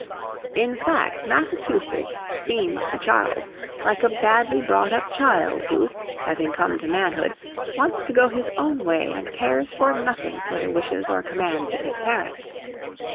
In fact Massachusetts seemed to Charles like a badly brought up child, who, having come to manhood, wants to go his own way and cares nothing for the wishes or commands of his parents.